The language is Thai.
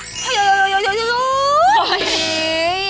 โห้ยอยอยอย